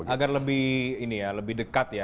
agar lebih ini ya lebih dekat ya